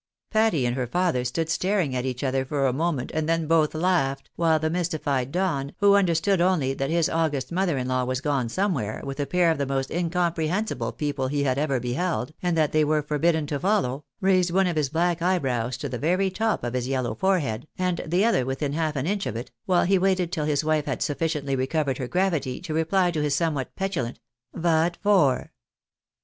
Patty and her father stood staring at each other for a moment, and then both laughed, while the mystified Don, who understood only that his august mother in law was gone somewhere, with a pair of the most incomprehensible people he had ever beheld, and that they were forbidden to follow, raised one of his black eye brows to the very top of his yellow forehead, and the other within half an inch of it, while he waited till his wife had sufficiently recovered her gravity to reply to his somewhat petulant " Vat for